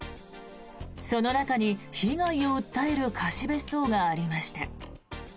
その中に被害を訴える貸別荘がありました。